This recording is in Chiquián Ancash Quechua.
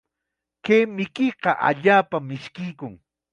Kay mikuyqa allaapam mishkiykun.